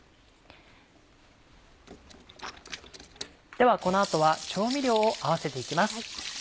ではこの後は調味料を合わせていきます。